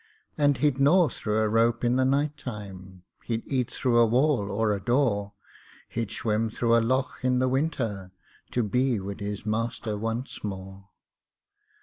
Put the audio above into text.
And he'd gnaw thro' a rope in the night time, He'd eat thro' a wall or a door, He'd shwim thro' a lough in the winther, To be wid his master wanst more!